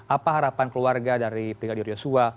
apa harapan keluarga dari brigadir yosua